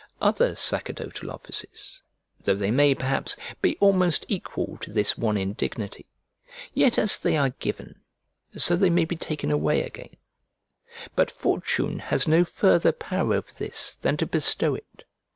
Other sacerdotal offices, though they may, perhaps, be almost equal to this one in dignity, yet as they are given so they may be taken away again: but fortune has no further power over this than to bestow it.